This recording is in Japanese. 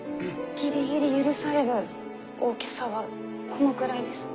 ギリギリ許される大きさはこのくらいです